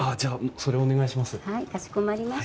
これお願いします。